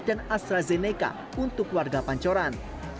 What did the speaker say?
dan astrazeneca untuk warga pancoran